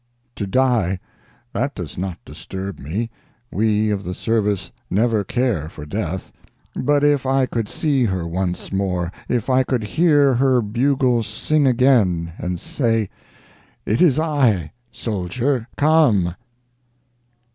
To die—that does not disturb me; we of the service never care for death. But if I could see her once more! if I could hear her bugle sing again and say, "It is I, Soldier—come!"